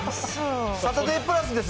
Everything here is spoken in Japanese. サタデープラスです。